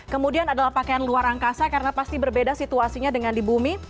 kemudian adalah pakaian luar angkasa karena pasti berbeda situasinya dengan di bumi